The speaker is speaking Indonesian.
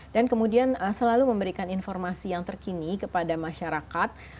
dan kemudian selalu memberikan informasi yang terkini kepada masyarakat